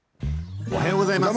おはようございます。